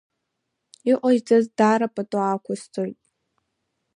Иҟаиҵаз даара пату ақәсҵоит.